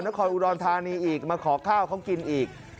นครอุดรธานีอีกมาขอข้าวเขากินอีก